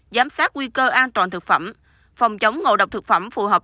giám sát nguy cơ an toàn thực phẩm phòng chống ngộ độc thực phẩm phù hợp